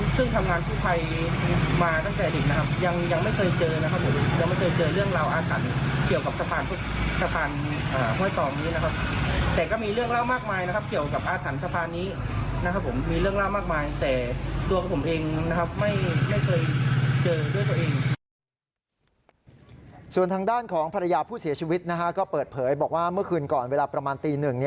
ส่วนทางด้านของภรรยาผู้เสียชีวิตก็เปิดเผยบอกว่าเมื่อคืนก่อนเวลาประมาณตีหนึ่ง